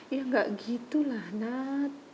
ya gak gitu lah nat